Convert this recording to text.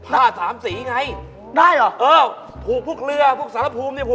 ๓๔นิ้วยังไหม